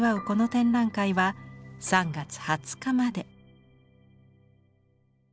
この展覧会は３月２０日まで。